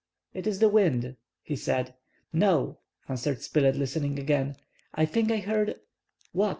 "It is the wind," he said. "No," answered Spilett, listening again, "I think I heard—" "What?"